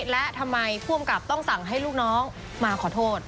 และทำไมผู้อำกับต้องสั่งให้ลูกน้องมาขอโทษ